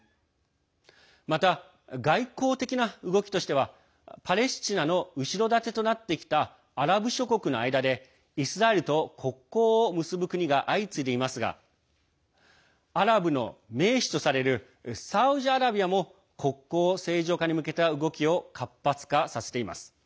また、外交的な動きとしてはパレスチナの後ろ盾となってきたアラブ諸国の間でイスラエルと国交を結ぶ国が相次いでいますがアラブの盟主とされるサウジアラビアも国交正常化に向けた動きを活発化させています。